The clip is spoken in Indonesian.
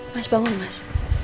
mas bangun mas